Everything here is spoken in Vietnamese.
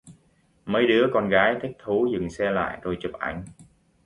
Mấy đứa con gái thích thú dừng xe lại rồi chụp ảnh